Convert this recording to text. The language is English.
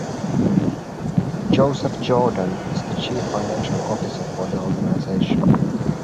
Joseph Jordan is Chief Financial Officer for the organization.